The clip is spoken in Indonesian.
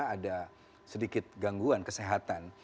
ada sedikit gangguan kesehatan